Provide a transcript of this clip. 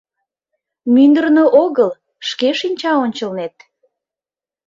Мӱндырнӧ огыл, шке шинча ончылнет.